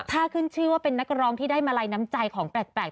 ถ้าขึ้นชื่อว่าเป็นนักร้องที่ได้มาลัยน้ำใจของแปลก